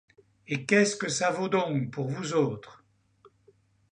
Et qu’est-ce que ça vaut donc, pour vous autres?